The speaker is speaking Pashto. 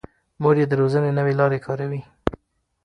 مور یې د روزنې نوې لارې کاروي.